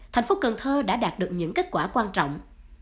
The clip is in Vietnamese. thành phố cần thơ đã đạt được những kết quả quan trọng